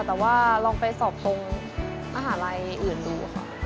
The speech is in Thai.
แต่ว่าลองไปสอบตรงมหาลัยอื่นดูค่ะ